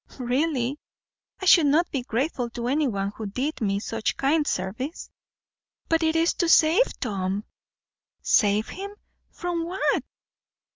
"Really, I should not be grateful to anyone who did me such kind service." "But it is to save Tom." "Save him! From what?"